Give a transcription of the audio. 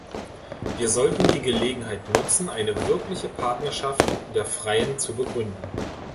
Wir sollten die Gelegenheit nutzen, eine wirkliche Partnerschaft der Freien zu begründen.